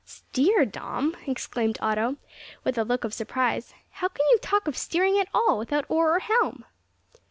"Steer, Dom," exclaimed Otto, with a look of surprise; "how can you talk of steering at all, without oar or helm?"